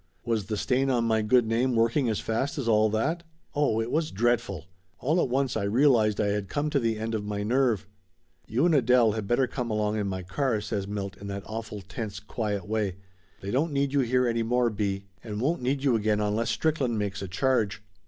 Was the stain on my good name working as fast as all that? Oh, it was dreadful! All at once I realized I had come to the end of my nerve. "You and Adele had better come along in my car," says Milt in that awful, tense, quiet way. "They don't need you here any more, B., and won't need you again unless Strickland makes a charge."